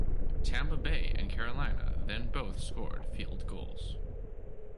Tampa Bay and Carolina then both scored field goals.